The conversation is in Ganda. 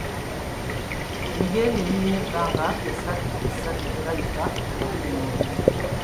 Ebigenge birina ebbanga lya ssabbiiti ssatu okulabika nga biri mu mubiri.